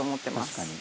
「確かに。